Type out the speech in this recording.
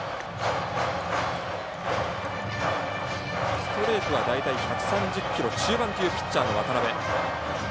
ストレートは大体１３０キロ中盤というピッチャーの渡邊。